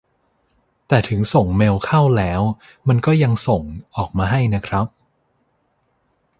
แต่ถึงส่งเมลเข้าแล้วมันก็ยังส่ง ออกมาให้นะครับ